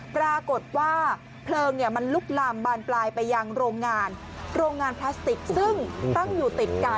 ปรากฏว่าเพลิงมันลุกลามบานปลายไปยังโรงงานโรงงานพลาสติกซึ่งตั้งอยู่ติดกัน